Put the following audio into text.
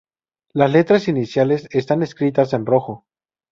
Las letras iniciales están escritas en rojo.